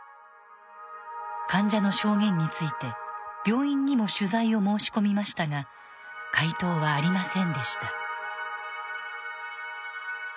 患者の証言について病院にも取材を申し込みましたが回答はありませんでした。